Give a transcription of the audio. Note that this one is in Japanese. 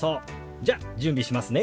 じゃ準備しますね。